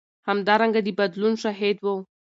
همدارنګه د بدلون شاهد و.